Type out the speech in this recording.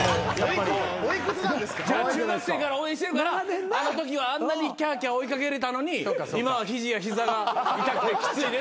中学生から応援してるからあのときはあんなにキャーキャー追い掛けれたのに今は肘や膝が痛くてきついですっていう。